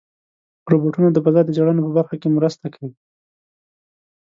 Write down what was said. روبوټونه د فضا د څېړنو په برخه کې مرسته کوي.